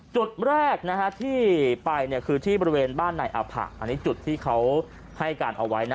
จุดแรกที่ไปคือที่บริเวณบ้านนายอาผะอันนี้จุดที่เขาให้การเอาไว้นะ